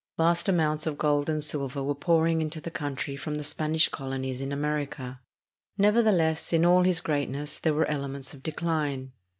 Vast amounts of gold and silver were pouring into the country from the Spanish colonies in America. Nevertheless, in all this greatness there were elements of decline.